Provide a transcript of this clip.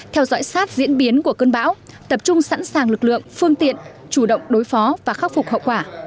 theo dõi sát diễn biến của cơn bão tập trung sẵn sàng lực lượng phương tiện chủ động đối phó và khắc phục hậu quả